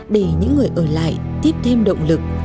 để những người ở lại tiếp thêm động lực